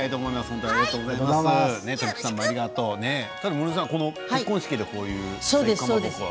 室井さん、結婚式でこういうかまぼこは？